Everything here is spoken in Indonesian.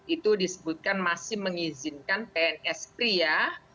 itu disebutkan masih mengizinkan pns pria